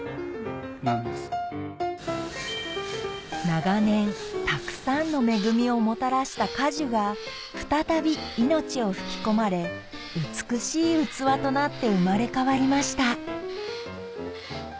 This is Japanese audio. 長年たくさんの恵みをもたらした果樹が再び命を吹き込まれ美しい器となって生まれ変わりました